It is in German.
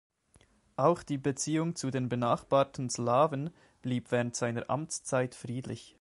Auch die Beziehung zu den benachbarten Slawen blieb während seiner Amtszeit friedlich.